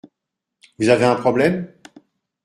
Vous avez un problème ?